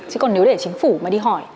chứ còn nếu để chính phủ mà đi hỏi